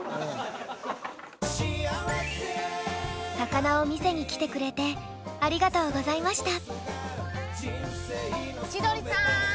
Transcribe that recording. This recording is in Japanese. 魚を見せに来てくれてありがとうございました。